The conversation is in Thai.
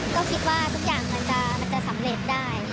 ก็คิดว่าทุกอย่างมันจะสำเร็จได้